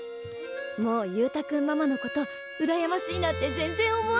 もう勇太君ママのことうらやましいなんて全然思わない。